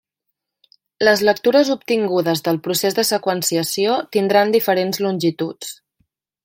Les lectures obtingudes del procés de seqüenciació tindran diferents longituds.